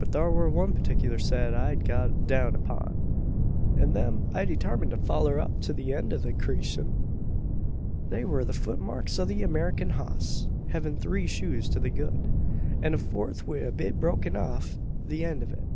"But thar wur one partickler set I'd got a down upon; an them I detarmined to foller up to the eend o' creashun. "They war the footmarks o' an Amerikin hoss, hevin' three shoes to the good, an a fourth wi' a bit broken off the eend o' it.